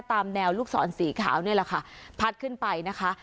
ตามแนวลูกศรสีขาวนี่แหละค่ะพัดขึ้นไปนะคะ